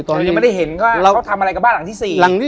เรายังไม่ได้เห็นว่าเขาทำอะไรกับบ้านหลังที่๔